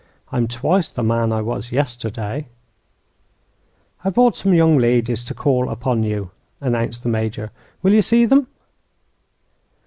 I'm twice the man I was yesterday." "I've brought some young ladies to call upon you," announced the Major. "Will you see them?"